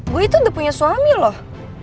gue itu udah punya suami loh